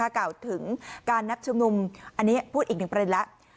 กล่าวถึงการนับชุมนุมอันนี้พูดอีกหนึ่งประเด็นแล้ว